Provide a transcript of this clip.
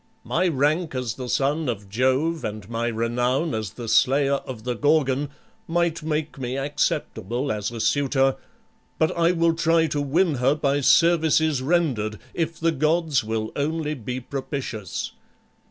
My rank as the son of Jove and my renown as the slayer of the Gorgon might make me acceptable as a suitor; but I will try to win her by services rendered, if the gods will only be propitious.